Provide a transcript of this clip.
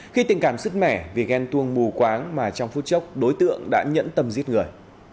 khi tình cảm sứt mẻ vì ghen tuông mù quáng mà trong phút chốc đối tượng đã nhẫn tầm giết người